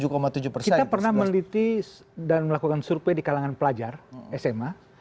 kita pernah meneliti dan melakukan survei di kalangan pelajar sma